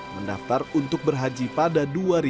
mendaftar untuk berhaji pada dua ribu sepuluh